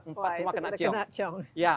empat semua kena ciong